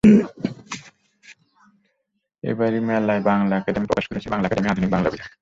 এবারই মেলায় বাংলা একাডেমি প্রকাশ করেছে বাংলা একাডেমি আধুনিক বাংলা অভিধান।